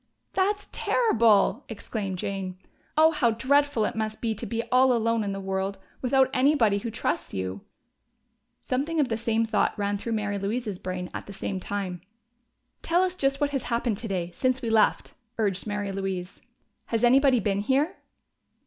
"That's terrible!" exclaimed Jane. "Oh, how dreadful it must be to be all alone in the world, without anybody who trusts you!" Something of the same thought ran through Mary Louise's brain at the same time. "Tell us just what has happened today, since we left," urged Mary Louise. "Has anybody been here?"